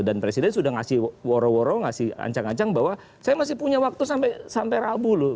dan presiden sudah ngasih woro woro ngasih ancang ancang bahwa saya masih punya waktu sampai rabu